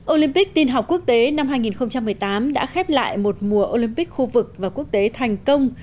olympic tin học quốc tế năm hai nghìn một mươi tám đã khép lại một mùa olympic khu vực và quốc tế thành công